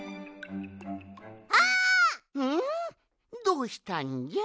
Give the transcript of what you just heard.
どうしたんじゃ？